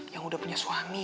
yang udah punya suami